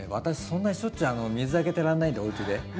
そんなにしょっちゅう水あげてらんないんでおうちで。